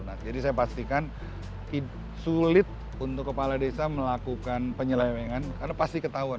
nah jadi saya pastikan sulit untuk kepala desa melakukan penyelewengan karena pasti ketahuan